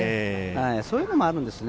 そういうのもあるんですよね。